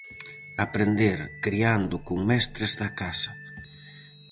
Aprender creando con mestres da casa.